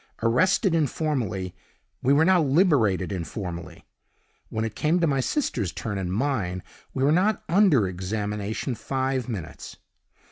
Arrested informally, we were now liberated informally. When it came to my sister's turn and mine, we were not under examination five minutes.